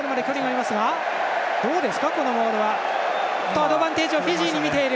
アドバンテージをフィジーにみている。